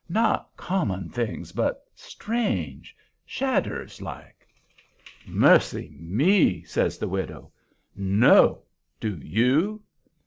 Not common things, but strange shadders like?" "Mercy me!" says the widow. "No. Do YOU?"